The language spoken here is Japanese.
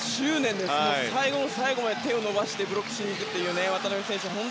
最後の最後まで手を伸ばしてブロックしに行くという渡邊選手。